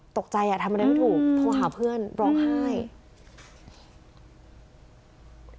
ตกใจอ่ะทำได้ไม่ถูก